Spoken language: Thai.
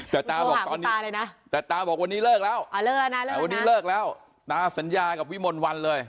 แต่ตาบอกวันนี้เลิกแล้วตาสัญญากับวิมนต์วันเลย